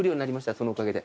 そのおかげで。